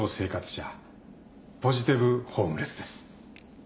ポジティブホームレスです。